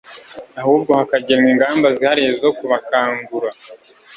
ahubwo hakagenwa ingamba zihariye zo kubakangura